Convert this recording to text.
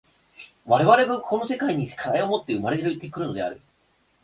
我々はこの世界に課題をもって生まれ来るのである。